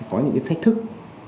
có những thách thức